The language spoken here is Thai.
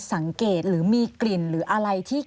สังเกตหรือมีกลิ่นหรืออะไรที่